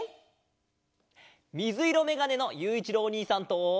みずいろめがねのゆういちろうおにいさんと！